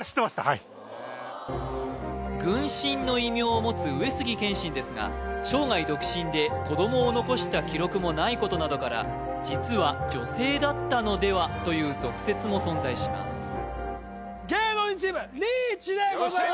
はい「軍神」の異名を持つ上杉謙信ですが生涯独身で子どもを残した記録もないことなどから実は女性だったのではという俗説も存在しますよっしゃ！